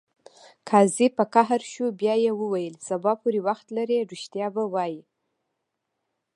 قاضي په قهر شو بیا یې وویل: سبا پورې وخت لرې ریښتیا به وایې.